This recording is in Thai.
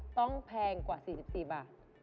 ต้องแพงกว่า๔๔บาท